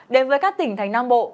đến với các tỉnh thành nam bộ